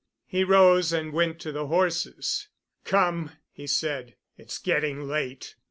He rose and went to the horses. "Come," he said, "it's getting late.